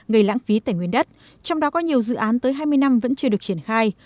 gây lãng phí tài nguyên đất trong đó có nhiều dự án tới hai mươi năm vẫn chưa được triển khai